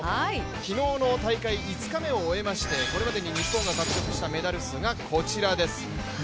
昨日の大会５日目を終えましてこれまでに日本が獲得したメダル数がこちらです。